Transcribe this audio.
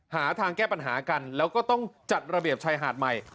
หาทางแก้ปัญหากันแล้วก็ต้องจัดระเบียบชายหาดใหม่